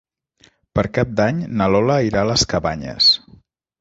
Per Cap d'Any na Lola anirà a les Cabanyes.